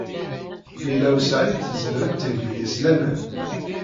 Lila u Saɛid tezmer ad teg deg-s laman.